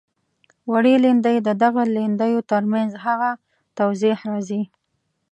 وړې لیندۍ د دغو لیندیو تر منځ هغه توضیح راځي.